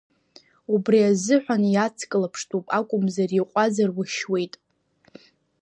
Убри азыҳәан иацклаԥштәуп акәымзар иҟәазар уашьует.